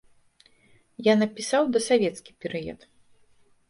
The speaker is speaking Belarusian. Я напісаў дасавецкі перыяд.